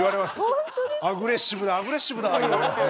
アグレッシブだアグレッシブだ言われて。